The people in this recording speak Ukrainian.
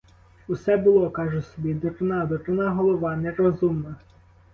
Усе було кажу собі: дурна, дурна голова, нерозумна!